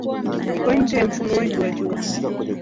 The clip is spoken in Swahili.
Iko nje ya mfumo wetu wa Jua.